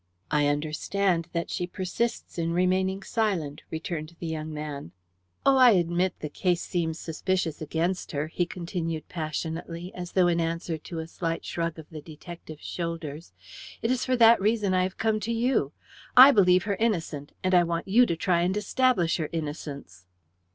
"I understand that she persists in remaining silent," returned the young man. "Oh, I admit the case seems suspicious against her," he continued passionately, as though in answer to a slight shrug of the detective's shoulders. "It is for that reason I have come to you. I believe her innocent, and I want you to try and establish her innocence."